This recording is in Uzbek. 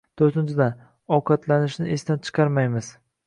To‘rtinchidan, ovqatlanishni esdan chiqarmaymiz.